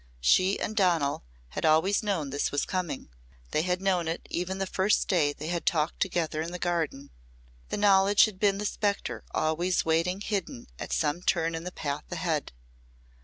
She and Donal had always known this was coming; they had known it even the first day they had talked together in the Garden. The knowledge had been the spectre always waiting hidden at some turn in the path ahead.